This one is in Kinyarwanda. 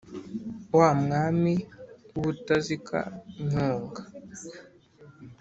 wa mwami w’i butazika, nyonga,